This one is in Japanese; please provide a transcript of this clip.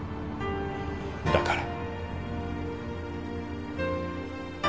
だから。